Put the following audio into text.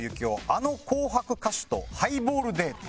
あの『紅白』歌手とハイボールデート」。